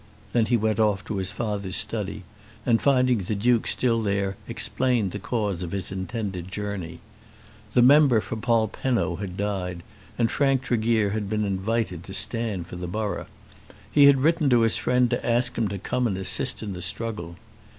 Then he went off to his father's study, and finding the Duke still there explained the cause of his intended journey. The member for Polpenno had died, and Frank Tregear had been invited to stand for the borough. He had written to his friend to ask him to come and assist in the struggle.